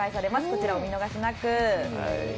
こちら、お見逃しなく。